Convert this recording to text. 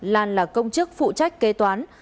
lan là công chức phụ trách kế toán